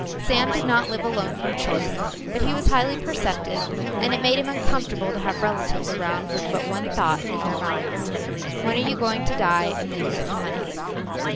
Sam did not live alone from choice, but he was highly perceptive and it made him uncomfortable to have relatives around with but one thought in their minds: _When are you going to die and leave me some money?